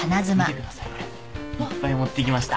いっぱい持ってきました。